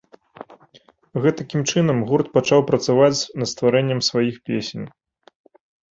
Гэтакім чынам гурт пачаў працаваць над стварэннем сваіх песень.